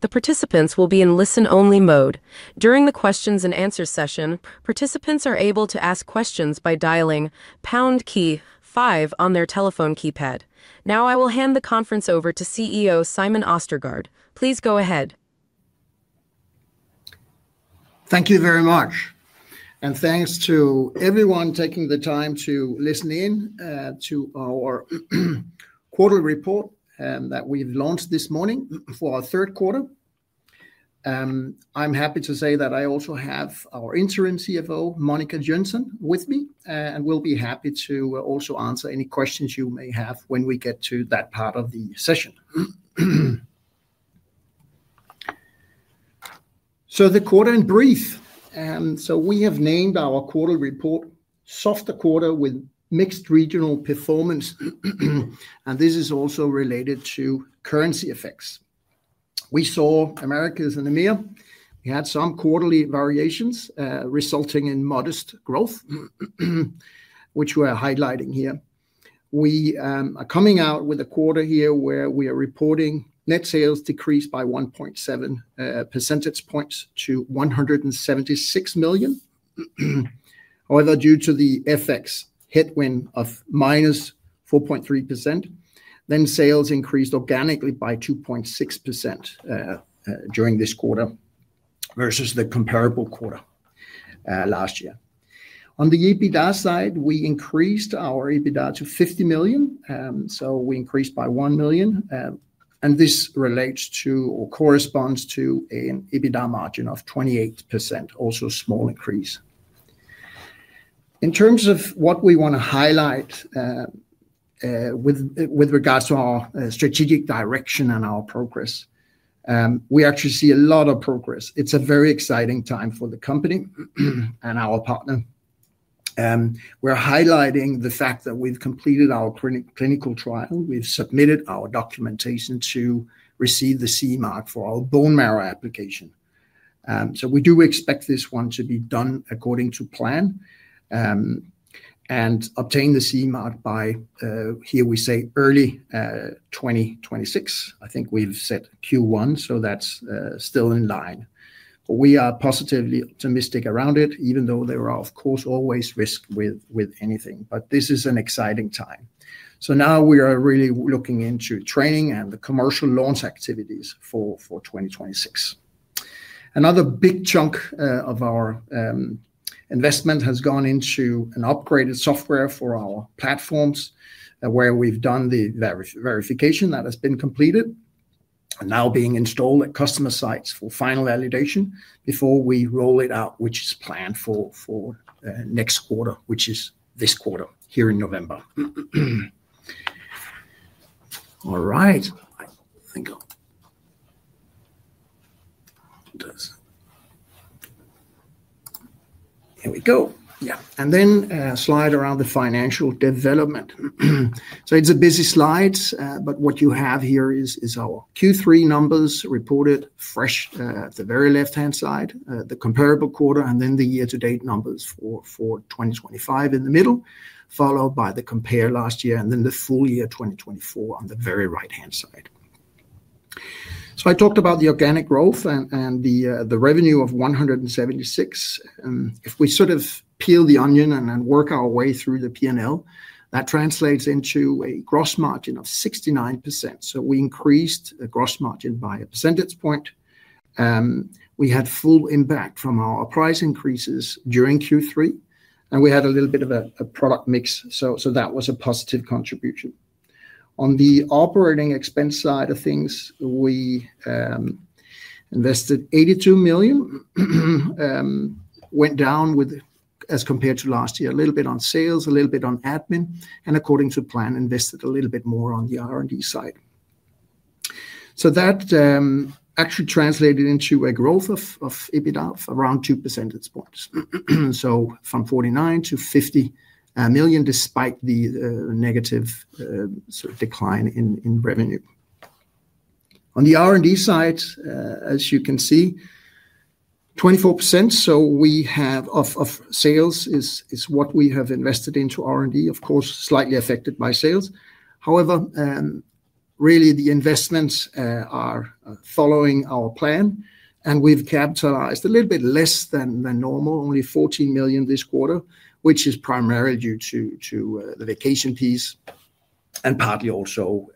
The participants will be in listen-only mode. During the Q&A session, participants are able to ask questions by dialing pound key five on their telephone keypad. Now, I will hand the conference over to CEO Simon Østergaard. Please go ahead. Thank you very much, and thanks to everyone taking the time to listen in to our. Quarterly report that we've launched this morning for our third quarter. I'm happy to say that I also have our interim CFO, Monica Jönsson, with me, and we'll be happy to also answer any questions you may have when we get to that part of the session. So, the quarter in brief: we have named our quarterly report "Softer Quarter with Mixed Regional Performance." And this is also related to currency effects. We saw America's and EMEA; we had some quarterly variations resulting in modest growth. Which we're highlighting here. We are coming out with a quarter here where we are reporting net sales decreased by 1.7 percentage points to 176 million. However, due to the FX headwind of -4.3%, then sales increased organically by 2.6%. During this quarter versus the comparable quarter last year. On the EBITDA side, we increased our EBITDA to 50 million, so we increased by 1 million. And this relates to or corresponds to an EBITDA margin of 28%, also a small increase. In terms of what we want to highlight. With regards to our strategic direction and our progress. We actually see a lot of progress. It's a very exciting time for the company. And our partner. We're highlighting the fact that we've completed our clinical trial. We've submitted our documentation to receive the CE mark for our bone marrow application. So, we do expect this one to be done according to plan. And obtain the CE mark by, here we say, early. 2026. I think we've set Q1, so that's still in line. We are positively optimistic around it, even though there are, of course, always risks with anything, but this is an exciting time. So now we are really looking into training and the commercial launch activities for 2026. Another big chunk of our. Investment has gone into an upgraded software for our platforms where we've done the verification that has been completed. Now being installed at customer sites for final validation before we roll it out, which is planned for. Next quarter, which is this quarter here in November. All right. Here we go. Yeah. And then a slide around the financial development. So, it's a busy slide, but what you have here is our Q3 numbers reported fresh at the very left-hand side, the comparable quarter, and then the year-to-date numbers for 2025 in the middle, followed by the compare last year and then the full year 2024 on the very right-hand side. So, I talked about the organic growth and the revenue of 176 million. If we sort of peel the onion and work our way through the P&L, that translates into a gross margin of 69%. So, we increased the gross margin by a percentage point. We had full impact from our price increases during Q3, and we had a little bit of a product mix, so that was a positive contribution. On the operating expense side of things, we. Invested 82 million. Went down as compared to last year, a little bit on sales, a little bit on admin, and according to plan, invested a little bit more on the R&D side. So that. Actually translated into a growth of EBITDA of around two percentage points, so from 49 million-50 million despite the negative. Decline in revenue. On the R&D side, as you can see. 24%, so we have of sales is what we have invested into R&D, of course, slightly affected by sales. However. Really the investments are following our plan, and we've capitalized a little bit less than normal, only 14 million this quarter, which is primarily due to the vacation piece and partly also.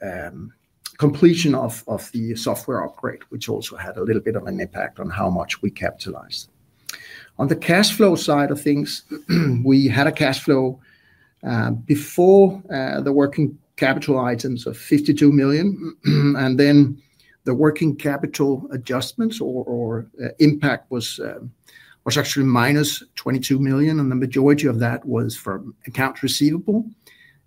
Completion of the software upgrade, which also had a little bit of an impact on how much we capitalized. On the cash flow side of things, we had a cash flow. Before the working capital items of 52 million, and then the working capital adjustments or impact was. Actually -22 million, and the majority of that was from accounts receivable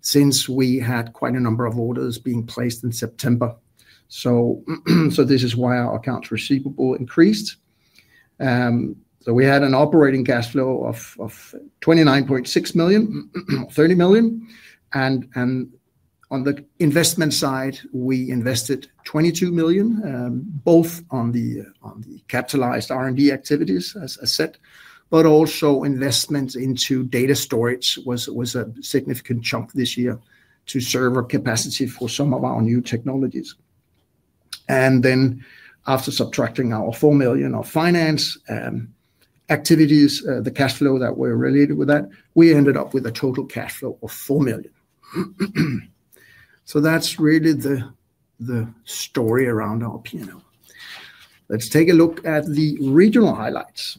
since we had quite a number of orders being placed in September. So. This is why our accounts receivable increased. So, we had an operating cash flow of 29.6 million, 30 million, and. On the investment side, we invested 22 million, both on the. Capitalized R&D activities, as I said, but also investment into data storage was a significant chunk this year to serve our capacity for some of our new technologies. And then after subtracting our 4 million of finance. Activities, the cash flow that were related with that, we ended up with a total cash flow SEK of 4 million. So, that's really the. Story around our P&L. Let's take a look at the regional highlights.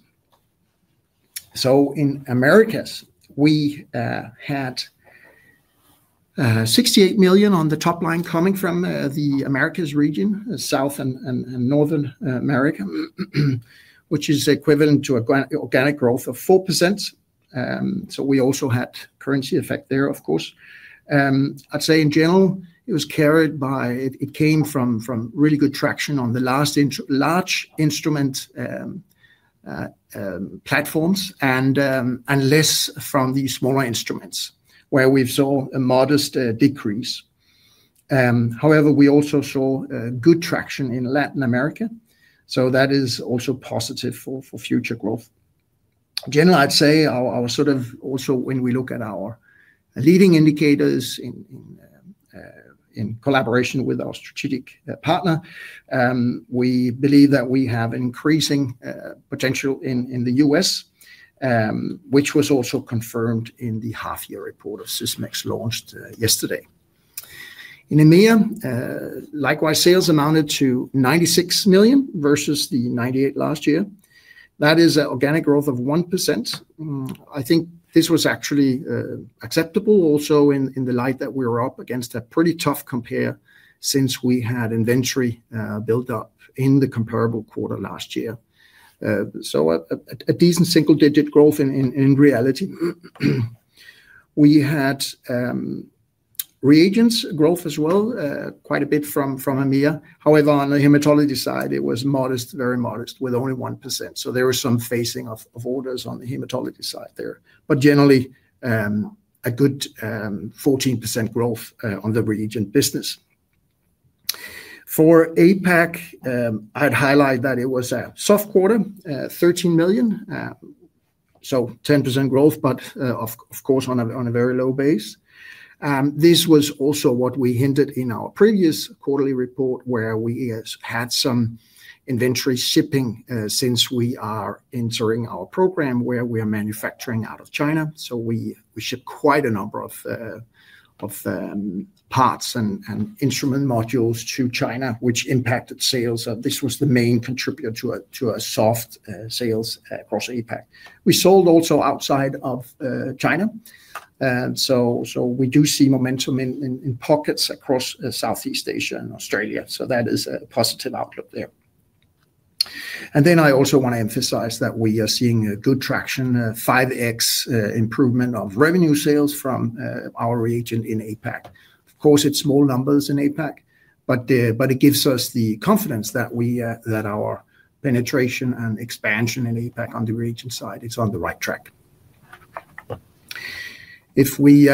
So, in Americas, we had. 68 million on the top line coming from the Americas region, South and Northern America. Which is equivalent to an organic growth of 4%. So, we also had currency effect there, of course. I'd say in general, it was carried by it came from really good traction on the large. Instrument. Platforms and less from the smaller instruments where we saw a modest decrease. However, we also saw good traction in Latin America, so that is also positive for future growth. In general, I'd say our sort of also when we look at our leading indicators in collaboration with our strategic partner, we believe that we have increasing potential in the U.S., which was also confirmed in the half-year report of Sysmex launched yesterday. In EMEA, likewise, sales amounted to 96 million versus the 98 million last year. That is an organic growth of 1%. I think this was actually acceptable also in the light that we were up against a pretty tough compare since we had inventory built up in the comparable quarter last year. So, a decent single-digit growth in reality. We had reagents growth as well, quite a bit from EMEA. However, on the hematology side, it was modest, very modest, with only 1%. So, there was some phasing of orders on the hematology side there, but generally. A good. 14% growth on the reagent business. For APAC, I'd highlight that it was a soft quarter, 13 million. So, 10% growth, but of course, on a very low base. This was also what we hinted in our previous quarterly report where we had some inventory shipping since we are entering our program where we are manufacturing out of China. So, we ship quite a number of. Parts and instrument modules to China, which impacted sales. This was the main contributor to a soft sales across APAC. We sold also outside of China. So, we do see momentum in pockets across Southeast Asia and Australia. So, that is a positive outlook there. I also want to emphasize that we are seeing a good traction, 5x improvement of revenue sales from our reagent in APAC. Of course, it's small numbers in APAC, but it gives us the confidence that our penetration and expansion in APAC on the reagent side is on the right track. If we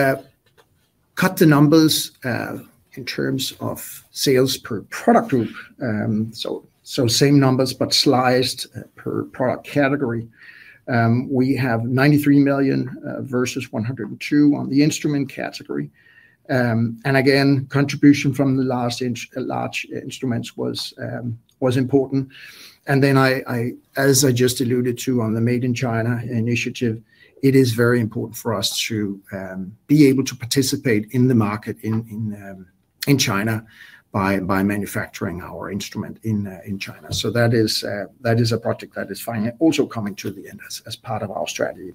cut the numbers in terms of sales per product group, so same numbers but sliced per product category, we have 93 million versus 102 million on the instrument category. Again, contribution from the large instruments was important. Then, as I just alluded to on the Made in China initiative, it is very important for us to be able to participate in the market in China by manufacturing our instrument in China. So, that is a project that is finally also coming to the end as part of our strategy.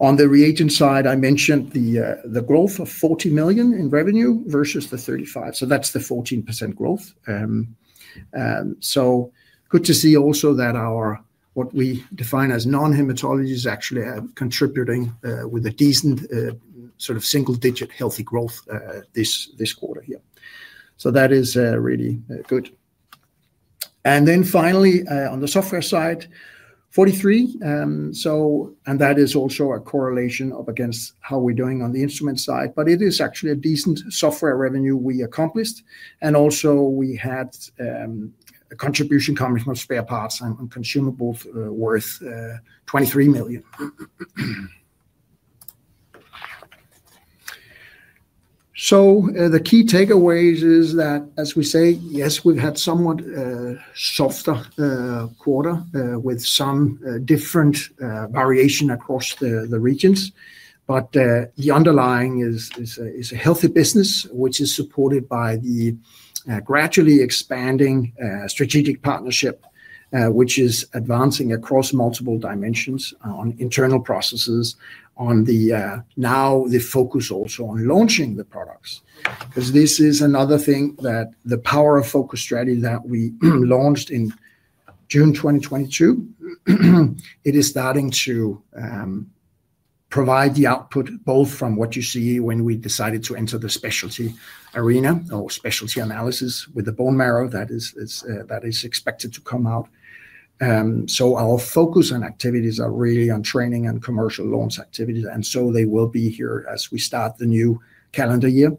On the reagent side, I mentioned the growth of 40 million in revenue versus the 35 million. That's the 14% growth. Good to see also that what we define as non-hematology actually are contributing with a decent sort of single-digit healthy growth this quarter here. That is really good. And then finally, on the software side, 43 million. And that is also a correlation up against how we're doing on the instrument side, but it is actually a decent software revenue we accomplished. And also, we had a contribution coming from spare parts and consumables worth 23 million. The key takeaway is that, as we say, yes, we've had somewhat softer quarter with some different variation across the regions, but the underlying is a healthy business, which is supported by the gradually expanding strategic partnership, which is advancing across multiple dimensions on internal processes. Now the focus also on launching the products. Because this is another thing that the power of focus strategy that we launched in June 2022. It is starting to. Provide the output both from what you see when we decided to enter the specialty arena or specialty analysis with the bone marrow that is expected to come out. So, our focus and activities are really on training and commercial launch activities, and so they will be here as we start the new calendar year.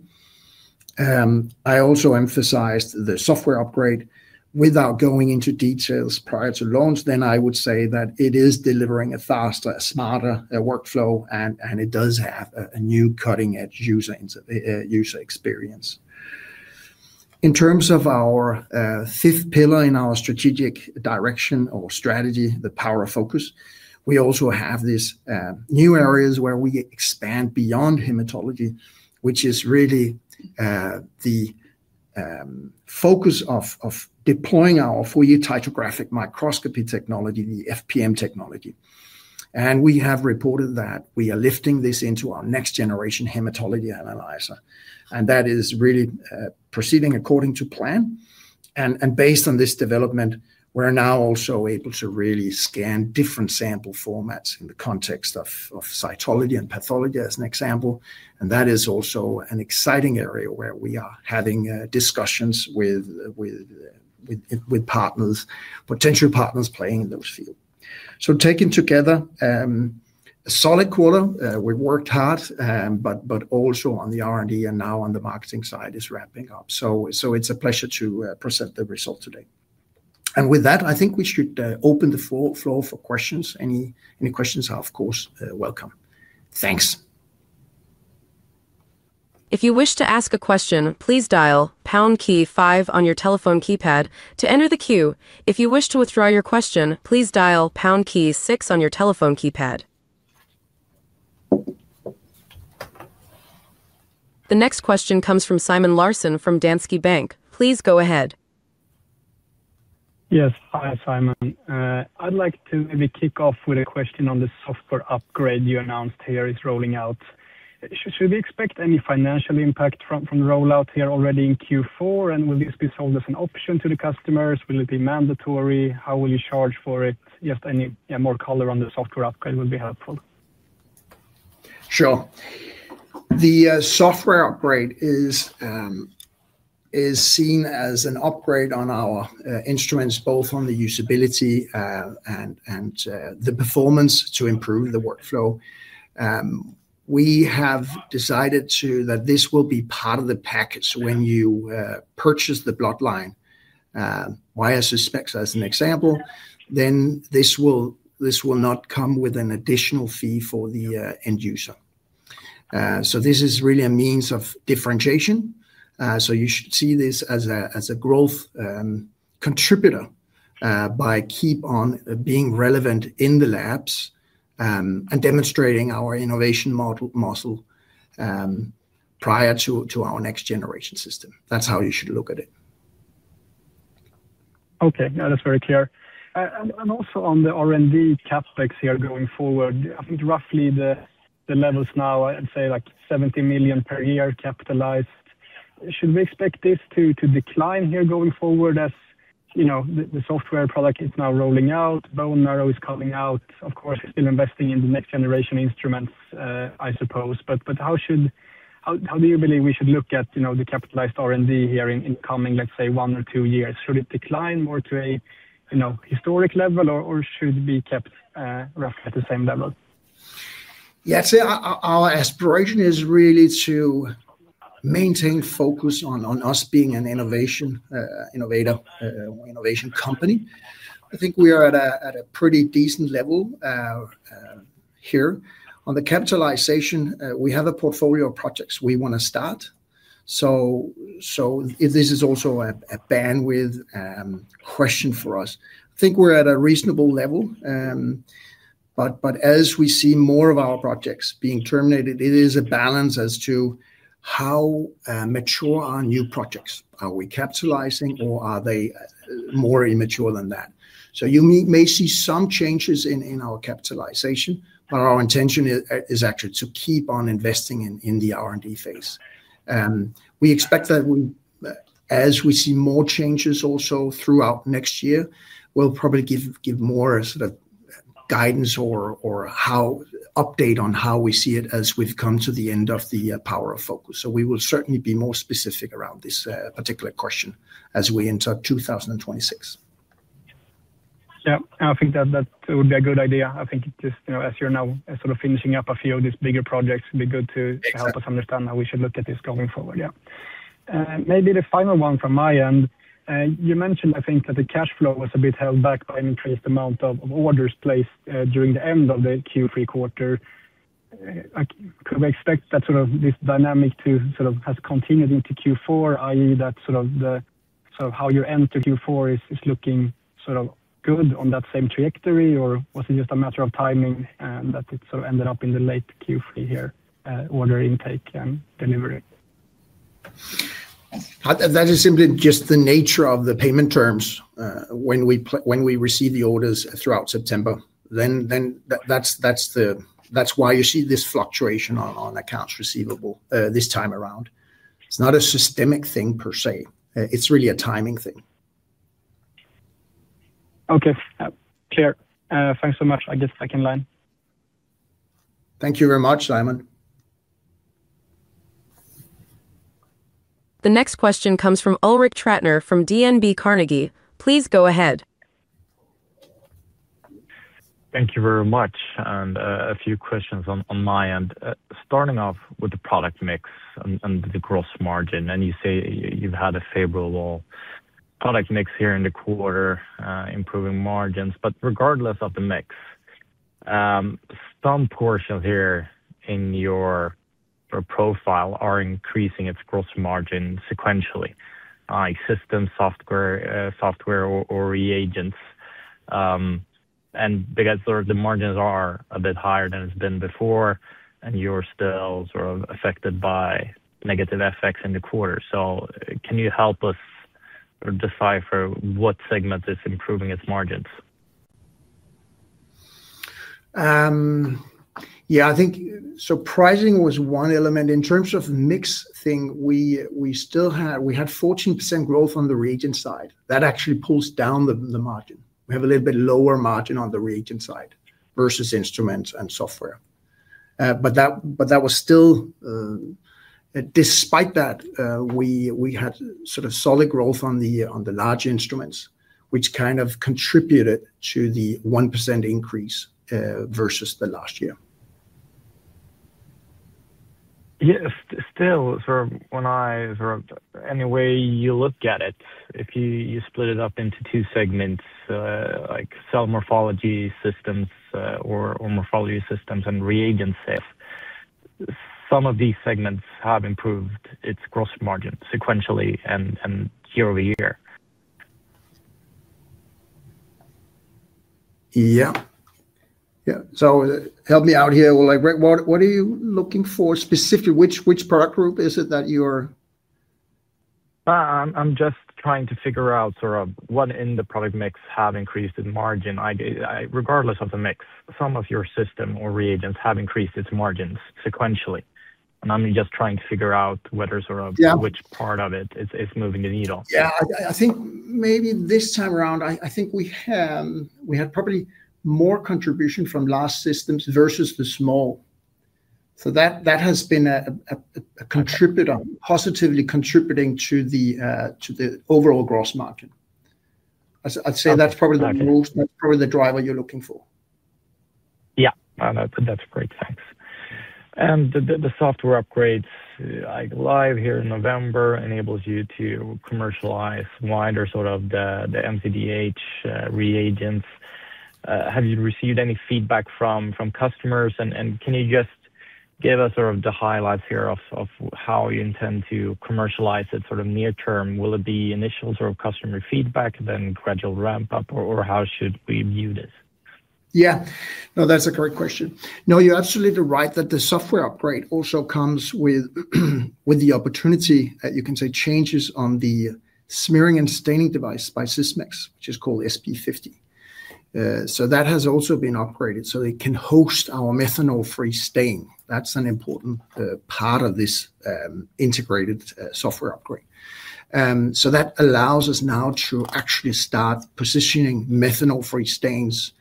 I also emphasized the software upgrade. Without going into details prior to launch, then I would say that it is delivering a faster, smarter workflow, and it does have a new cutting-edge user experience. In terms of our. Fifth pillar in our strategic direction or strategy, the power of focus, we also have these new areas where we expand beyond hematology, which is really. The. Focus of deploying our Fourier Ptychographic Microscopy technology, the FPM technology. And we have reported that we are lifting this into our next-generation hematology analyzer. And that is really proceeding according to plan. And based on this development, we're now also able to really scan different sample formats in the context of cytology and pathology as an example. And that is also an exciting area where we are having discussions with. Partners, potential partners playing in those fields. So, taken together, a solid quarter. We've worked hard, but also on the R&D and now on the marketing side is ramping up. So, it's a pleasure to present the results today. And with that, I think we should open the floor for questions. Any questions are, of course, welcome. Thanks. If you wish to ask a question, please dial pound key five on your telephone keypad to enter the queue. If you wish to withdraw your question, please dial pound key six on your telephone keypad. The next question comes from Simon Larsson from Danske Bank. Please go ahead. Yes. Hi, Simon. I'd like to maybe kick off with a question on the software upgrade you announced here is rolling out. Should we expect any financial impact from the rollout here already in Q4? And will this be sold as an option to the customers? Will it be mandatory? How will you charge for it? Just any more color on the software upgrade would be helpful. Sure. The software upgrade. Is. Seen as an upgrade on our instruments, both on the usability and. The performance to improve the workflow. We have decided that this will be part of the package when you purchase the bloodline. YSS Specs, as an example, then this will. Not come with an additional fee for the end user. So, this is really a means of differentiation. So, you should see this as a growth. Contributor by keeping on being relevant in the labs. And demonstrating our innovation model. Prior to our next-generation system. That's how you should look at it. Okay. That's very clear. And also on the R&D CapEx here going forward, I think roughly the levels now, I'd say like 70 million per year capitalized. Should we expect this to decline here going forward as. The software product is now rolling out, bone marrow is coming out? Of course, still investing in the next-generation instruments, I suppose. But how do you believe we should look at the capitalized R&D here in coming, let's say, one or two years? Should it decline more to a. Historic level, or should it be kept roughly at the same level? Yeah. I'd say our aspiration is really to. Maintain focus on us being an innovation. Innovator, innovation company. I think we are at a pretty decent level. Here. On the capitalization, we have a portfolio of projects we want to start. So. This is also a bandwidth. Question for us. I think we're at a reasonable level. But as we see more of our projects being terminated, it is a balance as to how. Mature our new projects. Are we capitalizing, or are they more immature than that? So, you may see some changes in our capitalization, but our intention is actually to keep on investing in the R&D phase. We expect that. As we see more changes also throughout next year, we'll probably give more sort of guidance or. Update on how we see it as we've come to the end of the power of focus. So, we will certainly be more specific around this particular question as we enter 2026. Yeah. I think that would be a good idea. I think just as you're now sort of finishing up a few of these bigger projects, it'd be good to help us understand how we should look at this going forward. Yeah. Maybe the final one from my end. You mentioned, I think, that the cash flow was a bit held back by an increased amount of orders placed during the end of the Q3 quarter. Could we expect that sort of this dynamic to sort of has continued into Q4, i.e., that sort of the. How you enter Q4 is looking sort of good on that same trajectory, or was it just a matter of timing that it sort of ended up in the late Q3 here, order intake and delivery? That is simply just the nature of the payment terms when we receive the orders throughout September. That's why you see this fluctuation on accounts receivable this time around. It's not a systemic thing per se. It's really a timing thing. Okay. Clear. Thanks so much. I guess back in line. Thank you very much, Simon. The next question comes from Ulrik Trattner from DNB Carnegie. Please go ahead. Thank you very much. And a few questions on my end. Starting off with the product mix and the gross margin. And you say you've had a favorable product mix here in the quarter, improving margins. But regardless of the mix. Some portions here in your. Profile are increasing its gross margin sequentially, like system, software, or reagents. And because the margins are a bit higher than it's been before, and you're still sort of affected by negative effects in the quarter. So, can you help us. Decipher what segment is improving its margins? Yeah. I think surprising was one element. In terms of the mix thing, we had. 14% growth on the reagent side. That actually pulls down the margin. We have a little bit lower margin on the reagent side versus instruments and software. But that was still. Despite that. We had sort of solid growth on the large instruments, which kind of contributed to the 1% increase versus the last year. Yeah. Still, sort of any way you look at it, if you split it up into two segments. Like cell morphology systems or morphology systems and reagents. Some of these segments have improved its gross margin sequentially and year-over-year. Yeah. Yeah. So, help me out here. What are you looking for specifically? Which product group is it that you're? I'm just trying to figure out sort of what in the product mix have increased in margin. Regardless of the mix, some of your system or reagents have increased its margins sequentially. And I'm just trying to figure out whether sort of which part of it is moving the needle. Yeah. I think maybe this time around, I think we. Had probably more contribution from large systems versus the small. So that has been. A contributor, positively contributing to the. Overall gross margin. I'd say that's probably the driver you're looking for. Yeah. That's great. Thanks. And the software upgrades, like live here in November, enables you to commercialize wider sort of the MCDh reagents. Have you received any feedback from customers? And can you just give us sort of the highlights here of how you intend to commercialize it sort of near term? Will it be initial sort of customer feedback, then gradual ramp-up, or how should we view this? Yeah. No, that's a great question. No, you're absolutely right that the software upgrade also comes with. The opportunity that you can say changes on the smearing and staining device by Sysmex, which is called SP-50. So that has also been upgraded so they can host our methanol-free stain. That's an important part of this integrated software upgrade. So that allows us now to actually start positioning methanol-free stains.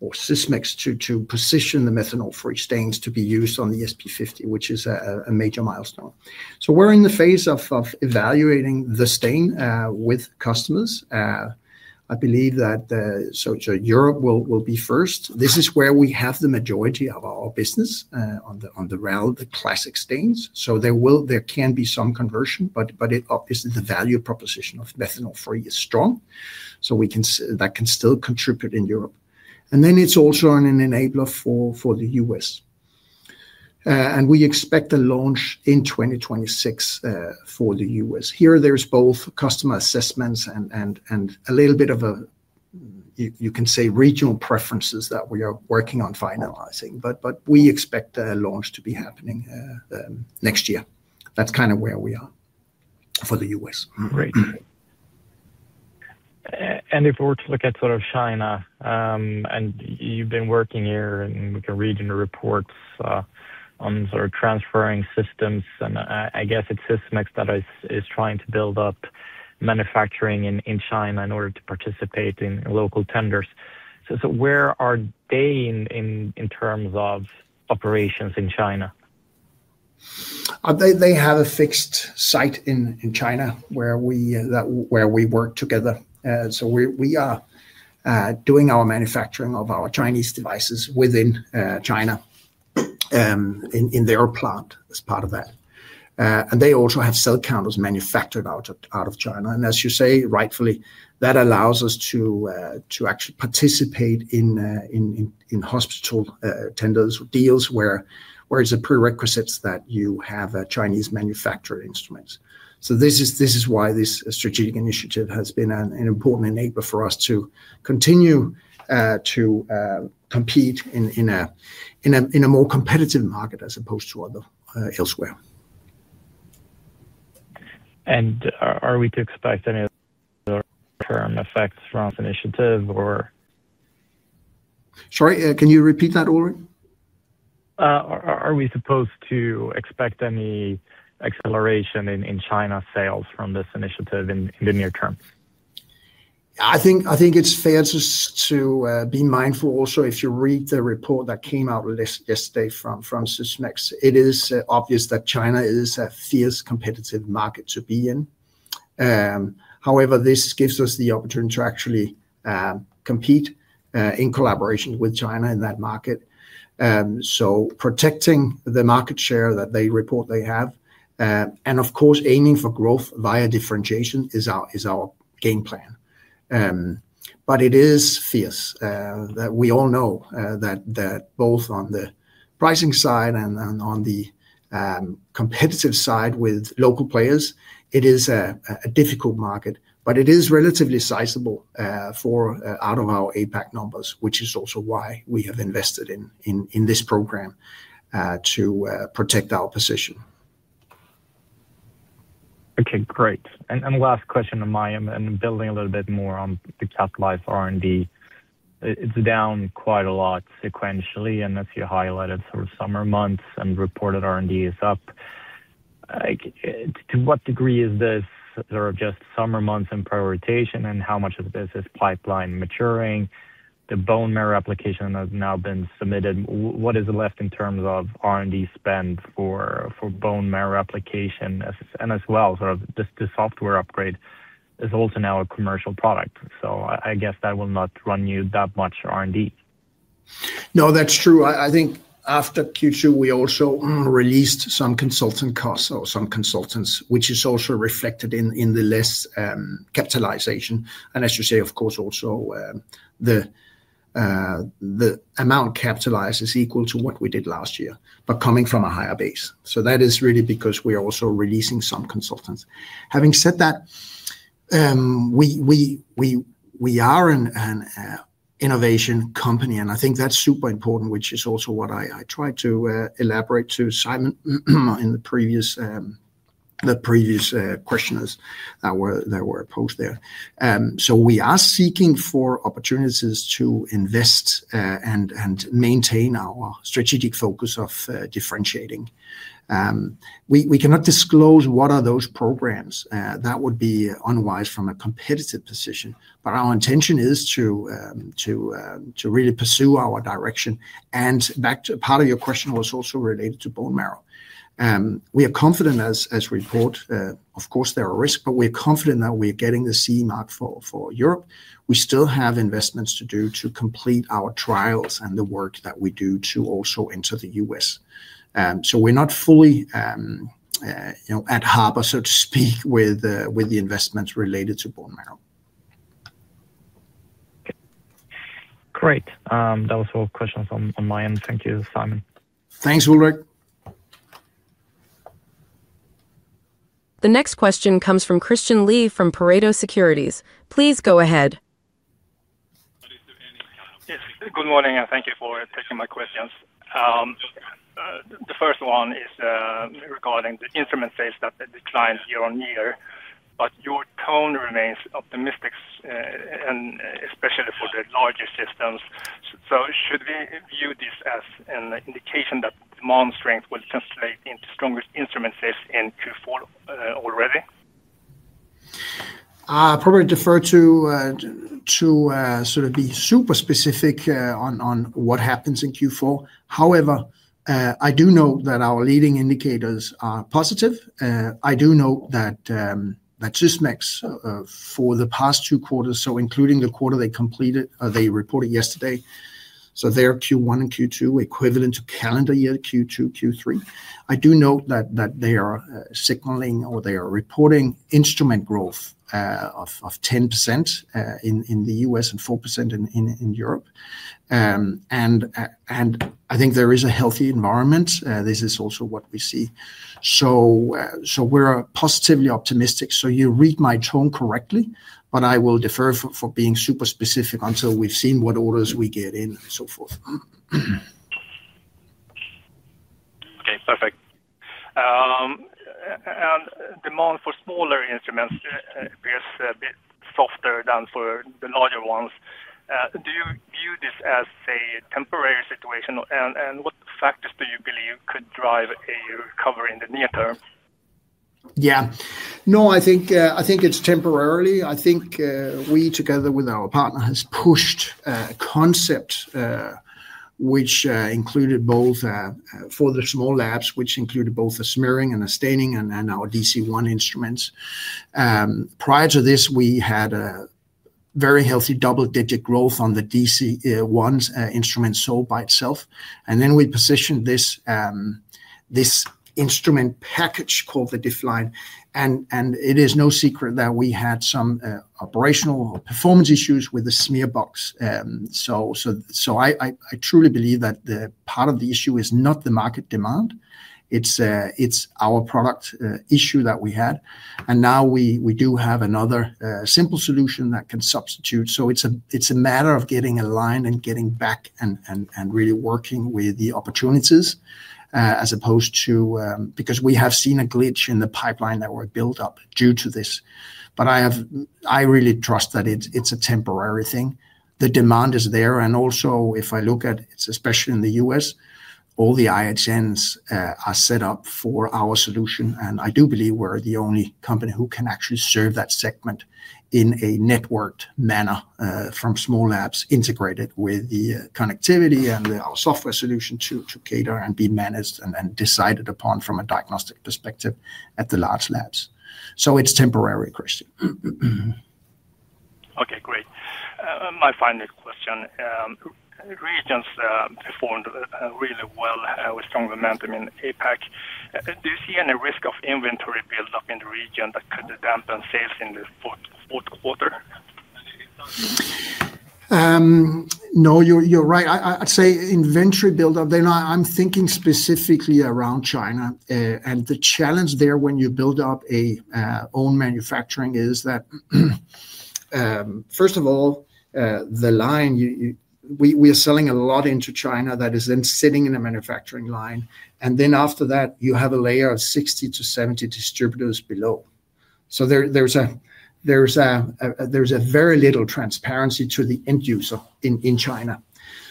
Or Sysmex to position the methanol-free stains to be used on the SP-50, which is a major milestone. So we're in the phase of evaluating the stain with customers. I believe that. So Europe will be first. This is where we have the majority of our business. On the realm of the classic stains. So there can be some conversion, but obviously, the value proposition of methanol-free is strong. So that can still contribute in Europe. And then it's also an enabler for the U.S. And we expect a launch in 2026 for the U.S. Here, there's both customer assessments and a little bit of a. You can say, regional preferences that we are working on finalizing. But we expect a launch to be happening. Next year. That's kind of where we are for the U.S. Great. And if we were to look at sort of China. And you've been working here, and we can read in the reports. On sort of transferring systems. And I guess it's Sysmex that is trying to build up manufacturing in China in order to participate in local tenders. So where are they in terms of operations in China? They have a fixed site in China where. We work together. So we are. Doing our manufacturing of our Chinese devices within China. In their plant as part of that. And they also have cell counters manufactured out of China. And as you say, rightfully, that allows us to. Actually participate in. Hospital tenders or deals where it's a prerequisite that you have a Chinese manufactured instrument. So this is why this strategic initiative has been an important enabler for us to continue to. Compete in a. More competitive market as opposed to elsewhere. And are we to expect any. Short-term effects from this initiative, or? Sorry, can you repeat that, Ulrik? Are we supposed to expect any. Acceleration in China sales from this initiative in the near term? I think it's fair to be mindful also. If you read the report that came out yesterday from Sysmex, it is obvious that China is a fierce competitive market to be in. However, this gives us the opportunity to actually. Compete in collaboration with China in that market. So protecting the market share that they report they have, and of course, aiming for growth via differentiation is our game plan. But it is fierce. We all know that both on the pricing side and on the. Competitive side with local players, it is a difficult market. But it is relatively sizable out of our APAC numbers, which is also why we have invested in this program. To protect our position. Okay. Great. And last question on my end, and building a little bit more on the uplife R&D. It's down quite a lot sequentially. And as you highlighted, sort of summer months and reported R&D is up. To what degree is this sort of just summer months in prioritization, and how much of this is pipeline maturing? The bone marrow application has now been submitted. What is left in terms of R&D spend for bone marrow application? And as well, sort of the software upgrade is also now a commercial product. So I guess that will not run you that much R&D. No, that's true. I think after Q2, we also released some consultant costs or some consultants, which is also reflected in the less capitalization. And as you say, of course, also. The. Amount capitalized is equal to what we did last year, but coming from a higher base. So that is really because we are also releasing some consultants. Having said that. We are an. Innovation company, and I think that's super important, which is also what I tried to elaborate to Simon in the previous. Questioners that were posed there. So we are seeking for opportunities to invest and maintain our strategic focus of differentiating. We cannot disclose what those programs. That would be unwise from a competitive position. But our intention is to. Really pursue our direction. And part of your question was also related to bone marrow. We are confident, as we report, of course, there are risks, but we are confident that we are getting the CE mark for Europe. We still have investments to do to complete our trials and the work that we do to also enter the U.S. So we're not fully. At harbor, so to speak, with the investments related to bone marrow. Great. That was all questions on my end. Thank you, Simon. Thanks, Ulrik. The next question comes from Christian Lee from Pareto Securities. Please go ahead. Good morning, and thank you for taking my questions. The first one is regarding the instrument phase that declined year on year, but your tone remains optimistic. And especially for the larger systems. So should we view this as an indication that demand strength will translate into stronger instrument sales in Q4 already? I probably defer to. Sort of be super specific on what happens in Q4. However, I do know that our leading indicators are positive. I do know that. Sysmex for the past two quarters, so including the quarter they reported yesterday, so their Q1 and Q2 equivalent to calendar year Q2, Q3, I do note that they are signaling or they are reporting instrument growth of 10%. In the U.S. and 4% in Europe. And I think there is a healthy environment. This is also what we see. So. We're positively optimistic. So you read my tone correctly, but I will defer for being super specific until we've seen what orders we get in and so forth. Okay. Perfect. Demand for smaller instruments appears a bit softer than for the larger ones. Do you view this as a temporary situation? And what factors do you believe could drive a recovery in the near term? Yeah. No, I think it's temporarily. I think we, together with our partner, have pushed a concept. Which included both for the small labs, which included both the smearing and the staining and our DC-1 instruments. Prior to this, we had a very healthy double-digit growth on the DC-1 instruments sold by itself. And then we positioned this. Instrument package called the DIFF-Line. And it is no secret that we had some operational performance issues with the smear box. So. I truly believe that part of the issue is not the market demand. It's our product issue that we had. And now we do have another simple solution that can substitute. So it's a matter of getting aligned and getting back and really working with the opportunities. As opposed to because we have seen a glitch in the pipeline that were built up due to this. But I really trust that it's a temporary thing. The demand is there. And also, if I look at, especially in the U.S., all the IHNs are set up for our solution. And I do believe we're the only company who can actually serve that segment in a networked manner from small labs integrated with the connectivity and our software solution to cater and be managed and decided upon from a diagnostic perspective at the large labs. So it's temporary, Christian. Okay. Great. My final question. Regions performed really well with strong momentum in APAC. Do you see any risk of inventory buildup in the region that could dampen sales in the fourth quarter? No, you're right. I'd say inventory buildup. I'm thinking specifically around China. And the challenge there when you build up own manufacturing is that. First of all. The line. We are selling a lot into China that is then sitting in a manufacturing line. And then after that, you have a layer of 60-70 distributors below. So there's. A very little transparency to the end use in China.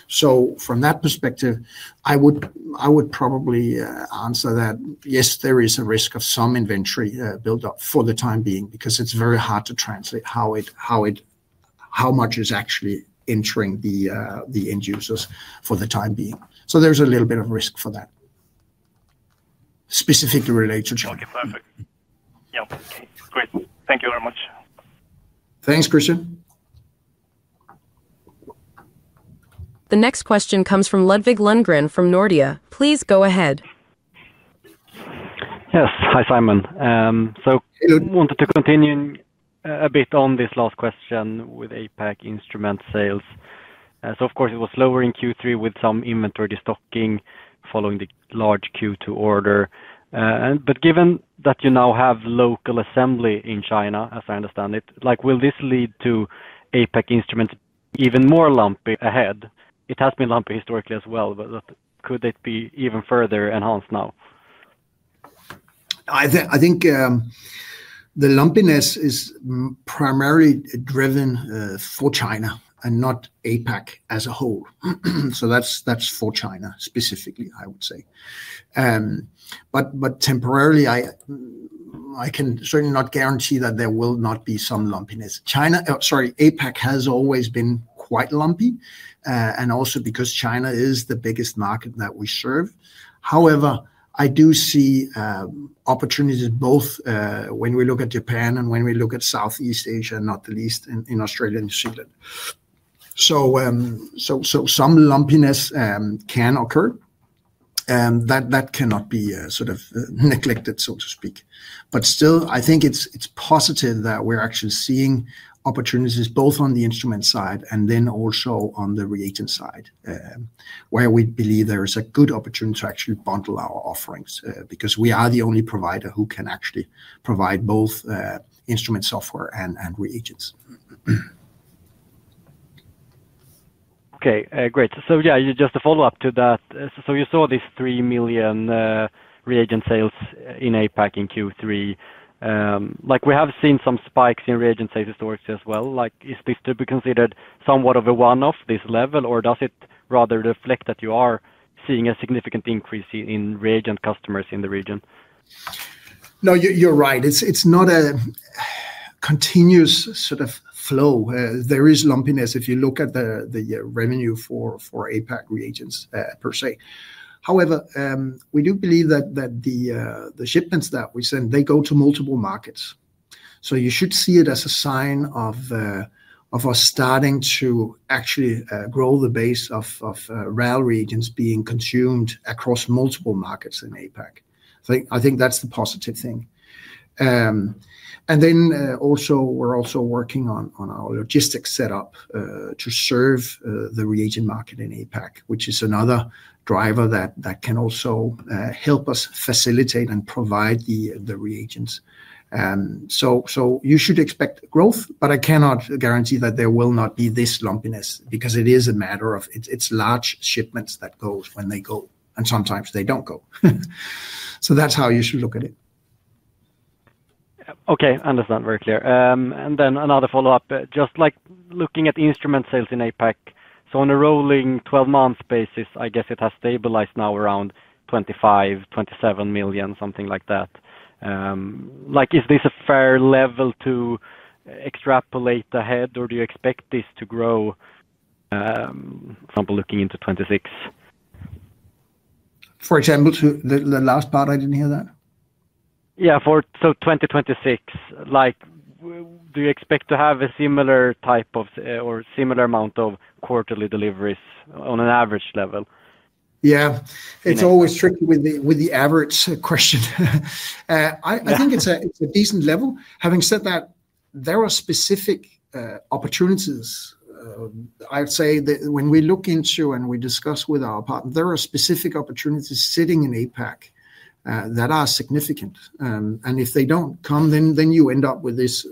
So from that perspective, I would. Probably answer that, yes, there is a risk of some inventory buildup for the time being because it's very hard to translate how. Much is actually entering the end users for the time being. So there's a little bit of risk for that. Specifically related to China. Okay. Perfect. Yeah. Great. Thank you very much. Thanks, Christian. The next question comes from Ludvig Lundgren from Nordea. Please go ahead. Yes. Hi, Simon. So I wanted to continue a bit on this last question with APAC instrument sales. So, of course, it was slower in Q3 with some inventory restocking following the large Q2 order. But given that you now have local assembly in China, as I understand it, will this lead to APAC instruments even more lumpy ahead? It has been lumpy historically as well, but could it be even further enhanced now? I think. The lumpiness is primarily driven for China and not APAC as a whole. So that's for China specifically, I would say. But temporarily. I can certainly not guarantee that there will not be some lumpiness. China, sorry, APAC has always been quite lumpy and also because China is the biggest market that we serve. However, I do see opportunities both when we look at Japan and when we look at Southeast Asia, not the least in Australia and New Zealand. So. Some lumpiness can occur. That cannot be sort of neglected, so to speak. But still, I think it's positive that we're actually seeing opportunities both on the instrument side and then also on the reagent side. Where we believe there is a good opportunity to actually bundle our offerings because we are the only provider who can actually provide both instrument software and reagents. Okay. Great. So, yeah, just a follow-up to that. So you saw these 3 million. Reagent sales in APAC in Q3. We have seen some spikes in reagent sales historically as well. Is this to be considered somewhat of a one-off, this level, or does it rather reflect that you are seeing a significant increase in reagent customers in the region? No, you're right. It's not a. Continuous sort of flow. There is lumpiness if you look at the revenue for APAC reagents per se. However, we do believe that the shipments that we send, they go to multiple markets. So you should see it as a sign of. Us starting to actually grow the base of rail reagents being consumed across multiple markets in APAC. I think that's the positive thing. And then we're also working on our logistics setup to serve the reagent market in APAC, which is another driver that can also help us facilitate and provide the reagents. So you should expect growth, but I cannot guarantee that there will not be this lumpiness because it is a matter of it's large shipments that go when they go, and sometimes they don't go. So that's how you should look at it. Okay. I understand. Very clear. And then another follow-up, just looking at instrument sales in APAC. So on a rolling 12-month basis, I guess it has stabilized now around 25 million, 27 million, something like that. Is this a fair level to. Extrapolate ahead, or do you expect this to grow. For example, looking into 2026? For example, the last part, I didn't hear that. Yeah. So 2026. Do you expect to have a similar type of or similar amount of quarterly deliveries on an average level? Yeah. It's always tricky with the average question. I think it's a decent level. Having said that, there are specific opportunities. I would say that when we look into and we discuss with our partner, there are specific opportunities sitting in APAC that are significant. And if they don't come, then you end up with this.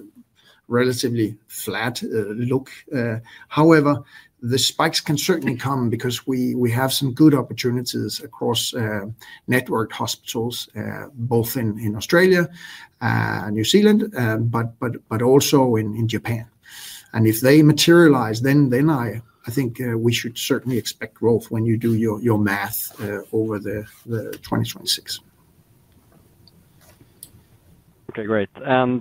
Relatively flat look. However, the spikes can certainly come because we have some good opportunities across. Networked hospitals, both in Australia. New Zealand, but also in Japan. And if they materialize, then I think we should certainly expect growth when you do your math over the 2026. Okay. Great. And.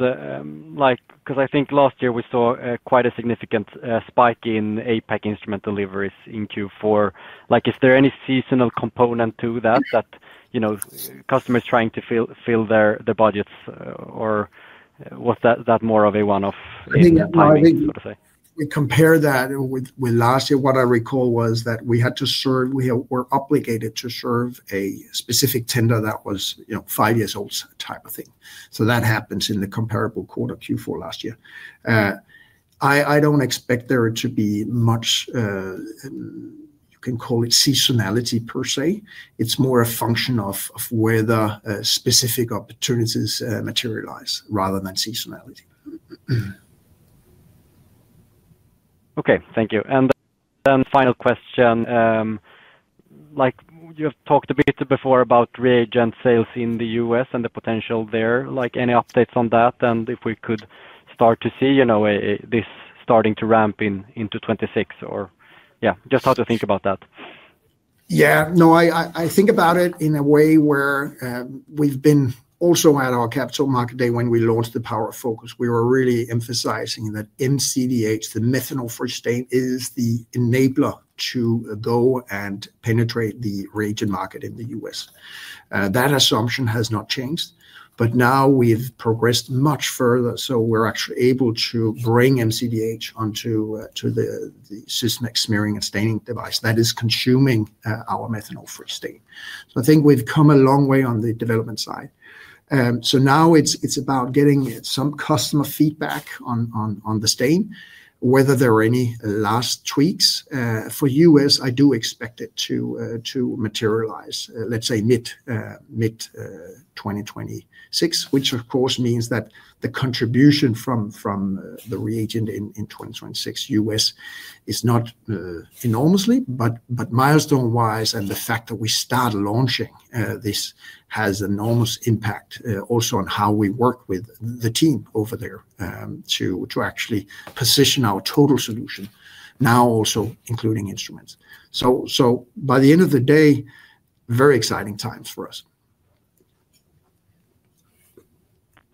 Because I think last year we saw quite a significant spike in APAC instrument deliveries in Q4. Is there any seasonal component to that, that. Customers trying to fill their budgets, or was that more of a one-off. Thing that might be, so to say? I think you compare that with last year. What I recall was that we had to serve we were obligated to serve a specific tender that was five years old type of thing. So that happens in the comparable quarter Q4 last year. I don't expect there to be much. You can call it seasonality per se. It's more a function of whether specific opportunities materialize rather than seasonality. Okay. Thank you. And then final question. You have talked a bit before about reagent sales in the U.S. and the potential there. Any updates on that? And if we could start to see. This starting to ramp into 2026 or yeah, just how to think about that. Yeah. No, I think about it in a way where we've been also at our Capital Market Day when we launched the Power Focus. We were really emphasizing that MCDh, the methanol-free stain, is the enabler to go and penetrate the reagent market in the U.S. That assumption has not changed. But now we've progressed much further. So we're actually able to bring MCDh onto. The Sysmex smearing and staining device that is consuming our methanol-free stain. So I think we've come a long way on the development side. So now it's about getting some customer feedback on the stain, whether there are any last tweaks. For U.S., I do expect it to. Materialize, let's say, mid. 2026, which, of course, means that the contribution from. The reagent in 2026 U.S. is not. Enormously, but milestone-wise and the fact that we start launching this has enormous impact also on how we work with the team over there to actually position our total solution now also including instruments. So by the end of the day. Very exciting times for us.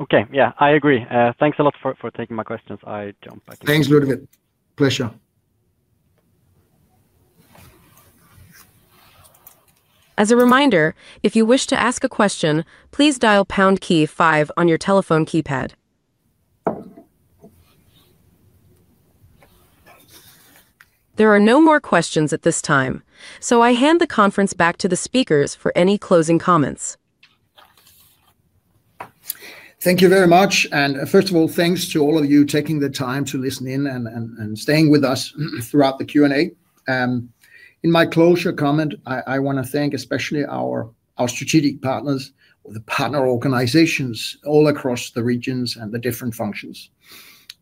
Okay. Yeah. I agree. Thanks a lot for taking my questions. I jump back in. Thanks, Ludvig. Pleasure. As a reminder, if you wish to ask a question, please dial pound key five on your telephone keypad. There are no more questions at this time, so I hand the conference back to the speakers for any closing comments. Thank you very much. And first of all, thanks to all of you taking the time to listen in and staying with us throughout the Q&A. In my closure comment, I want to thank especially our strategic partners with the partner organizations all across the regions and the different functions.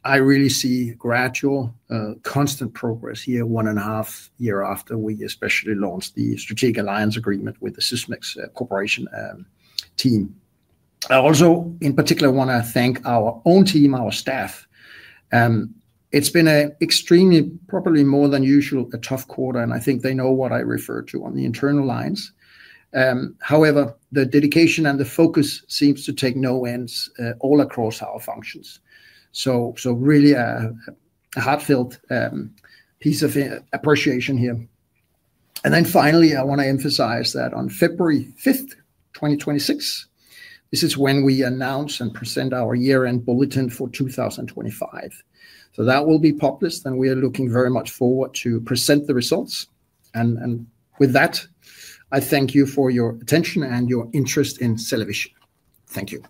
I really see gradual, constant progress here, one and a half years after we especially launched the strategic alliance agreement with the Sysmex Corporation team. I also, in particular, want to thank our own team, our staff. It's been an extremely, probably more than usual, tough quarter. And I think they know what I refer to on the internal lines. However, the dedication and the focus seems to take no ends all across our functions. So really. A heartfelt. Piece of appreciation here. And then finally, I want to emphasize that on February 5th, 2026, this is when we announce and present our year-end bulletin for 2025. So that will be published. And we are looking very much forward to present the results. And with that, I thank you for your attention and your interest in CellaVision. Thank you.